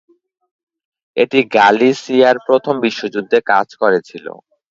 এটি গালিসিয়ায় প্রথম বিশ্বযুদ্ধে কাজ করেছিল।